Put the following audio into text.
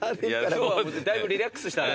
今日はだいぶリラックスした。